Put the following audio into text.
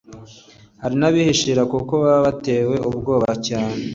hari n'ababihishira kuko baba batewe ubwoba cyane